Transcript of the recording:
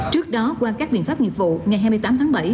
trước đó qua các biện pháp nghiệp vụ ngày hai mươi tám tháng bảy